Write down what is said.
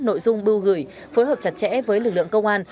nội dung bưu gửi phối hợp chặt chẽ với lực lượng công an